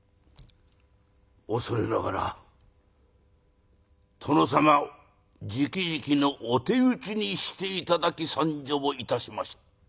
「恐れながら殿様じきじきのお手討ちにして頂き参上いたしました」。